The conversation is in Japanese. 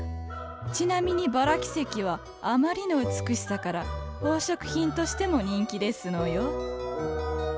ちなみにバラ輝石はあまりの美しさから宝飾品としても人気ですのよ。